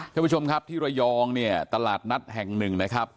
ท่านผู้ชมครับที่ระยองเนี่ยตลาดนัดแห่งหนึ่งนะครับ